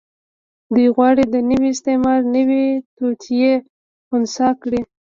دوی غواړي د نوي استعمار نوې توطيې خنثی کړي.